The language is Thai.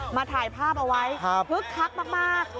ถ่ายภาพเอาไว้คึกคักมาก